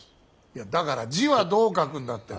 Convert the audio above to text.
いやだから字はどう書くんだって。